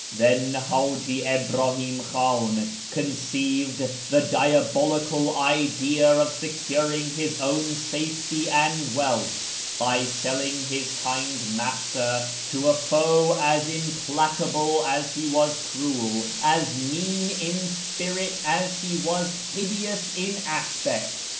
Then Haji Ibrahim Khiin conceived the diabolical idea of securing his own safety and wealth by selling his kind master to a foe as implacable as he was cruel, as mean in spirit as he was hideous in aspect.